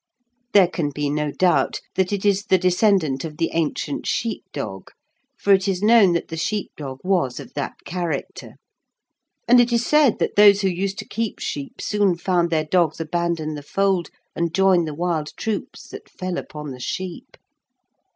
There can be no doubt that it is the descendant of the ancient sheep dog, for it is known that the sheep dog was of that character, and it is said that those who used to keep sheep soon found their dogs abandon the fold, and join the wild troops that fell upon the sheep.